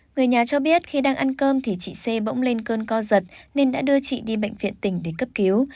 người nhà cho biết khi đang ăn cơm thì chị cỗng lên cơn co giật nên đã đưa chị đi bệnh viện tỉnh để cấp cứu